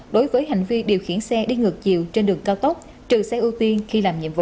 đối với hành vi điều khiển xe đi ngược chiều trên đường cao tốc trừ xe ưu tiên khi làm nhiệm vụ